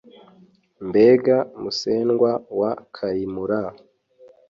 mbega musendwa wa kayimura